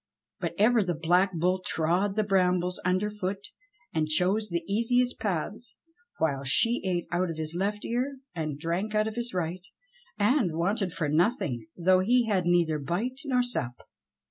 But ever the Black Bull trod the brambles underfoot and chose the easiest paths, while she ate out of his left ear, and drank out of his right, and wanted for nothing, though he had neither bite nor sup.